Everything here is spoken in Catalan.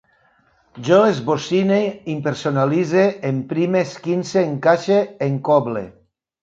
Jo esbocine, impersonalitze, emprime, esquince, encaixe, encoble